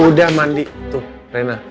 udah mandi tuh rena